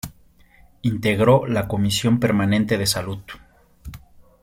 Integró la Comisión Permanente de Salud.